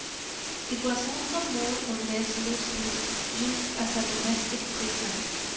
It was also more or less loosely used as a domestic prison.